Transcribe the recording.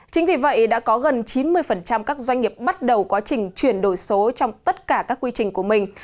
chính vì vậy đã có gần chín mươi các doanh nghiệp bắt đầu quá trình chuyển đổi số trong tất cả các quy trình của mình